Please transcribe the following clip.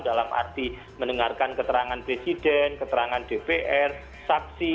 dalam arti mendengarkan keterangan presiden keterangan dpr saksi